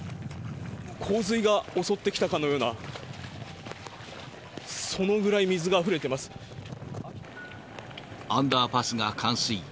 洪水が襲ってきたかのような、アンダーパスが冠水。